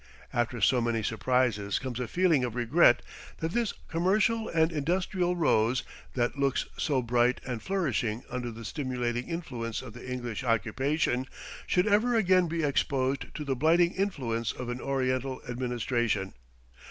After so many surprises comes a feeling of regret that this commercial and industrial rose, that looks so bright and flourishing under the stimulating influence of the English occupation, should ever again be exposed to the blighting influence of an Oriental administration.